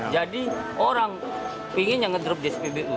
jadi orang pingin yang ngedrop di spbu